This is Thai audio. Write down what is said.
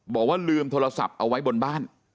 บอกว่าลืมโทรศัพท์เอาไว้บนบ้าน